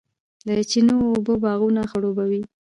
د چینو اوبه باغونه خړوبوي.